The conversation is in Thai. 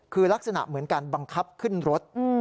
คือลักษณะเหมือนการบังคับขึ้นรถ